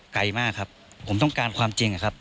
ไกลมากครับผมต้องการความจริงอะครับ